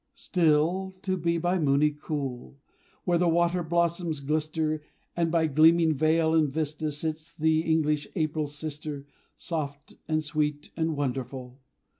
Still to be by Mooni cool Where the water blossoms glister, And, by gleaming vale and vista, Sits the English April's sister Soft and sweet and wonderful.